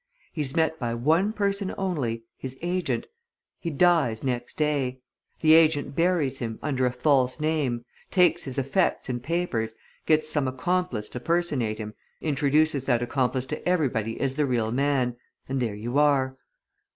He's met by one person only his agent. He dies next day. The agent buries him, under a false name, takes his effects and papers, gets some accomplice to personate him, introduces that accomplice to everybody as the real man and there you are!